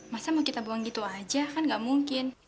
masa mau kita buang gitu aja kan gak mungkin